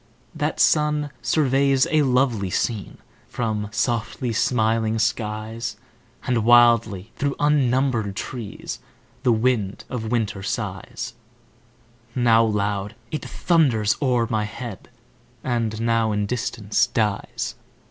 That sun surveys a lovely scene From softly smiling skies; And wildly through unnumbered trees The wind of winter sighs: Now loud, it thunders o'er my head, And now in distance dies.